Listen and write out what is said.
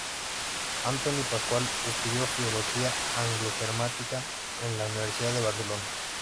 Antoni Pascual estudió filología anglo-germánica en la Universidad de Barcelona.